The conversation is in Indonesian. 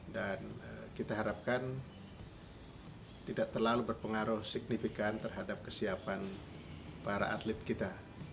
dan kita harapkan tidak terlalu berpengaruh signifikan terhadap kesiapan para atlet kita